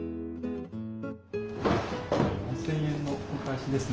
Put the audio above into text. ４，０００円のお返しですね。